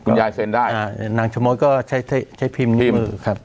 คุณยายเซ็นได้อ่านางชะมดก็ใช้ใช้ใช้พิมพ์นิ้วมือครับ